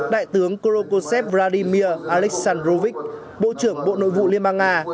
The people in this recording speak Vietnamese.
đại tướng korokosev vladimir aleksandrovich bộ trưởng bộ nội vụ liên bang nga